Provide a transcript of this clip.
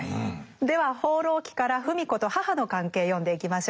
では「放浪記」から芙美子と母の関係読んでいきましょう。